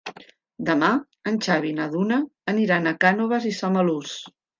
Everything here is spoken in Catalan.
Demà en Xavi i na Duna aniran a Cànoves i Samalús.